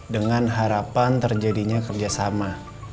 dengan harapan terjadinya kerjasama